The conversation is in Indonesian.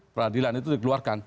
peradilan itu dikeluarkan